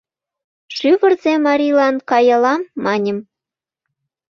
Шӱвырзӧ марийлан каялам, маньым, -